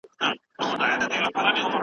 آيا د ټولنپوهنې اساسات د تاریخ سره تړاو لري؟